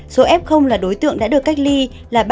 số f là đối tượng đã được cách ly là ba hai trăm linh bốn ca